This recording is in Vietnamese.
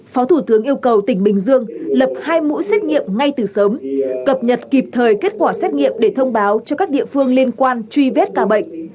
phó thủ tướng yêu cầu tỉnh bình dương lập hai mũi xét nghiệm ngay từ sớm cập nhật kịp thời kết quả xét nghiệm để thông báo cho các địa phương liên quan truy vết ca bệnh